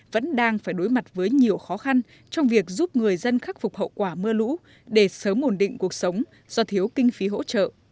vẫn đang phải đối mặt với nhiều khó khăn trong việc giúp người dân khắc phục hậu quả mưa lũ để sớm ổn định cuộc sống do thiếu kinh phí hỗ trợ